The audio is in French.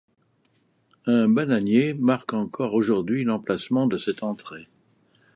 Un bananier marque encore aujourd'hui l'emplacement de cette entrée.